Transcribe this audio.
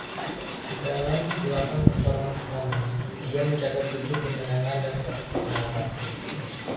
Dalam delapan pertarungan pertamanya, ia mencatat tujuh kemenangan dan satu kekalahan.